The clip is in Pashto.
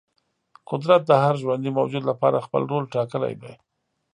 قدرت د هر ژوندې موجود لپاره خپل رول ټاکلی دی.